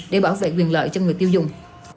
để bảo vệ quyền lợi cho người tiêu dùng